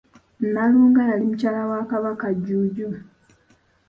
Nalunga yali mukyala wa Kabaka Jjuujo.